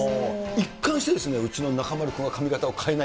一貫してですね、うちの中丸確かに。